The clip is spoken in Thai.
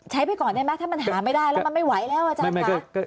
ไปก่อนได้ไหมถ้ามันหาไม่ได้แล้วมันไม่ไหวแล้วอาจารย์ค่ะ